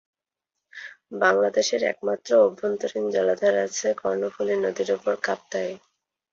বাংলাদেশের একমাত্র অভ্যন্তরীণ জলাধার আছে কর্ণফুলী নদীর উপর কাপ্তাইয়ে।